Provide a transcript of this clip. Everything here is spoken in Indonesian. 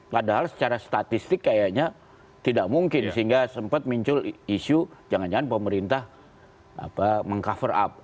padahal secara statistik kayaknya tidak mungkin sehingga sempat muncul isu jangan jangan pemerintah meng cover up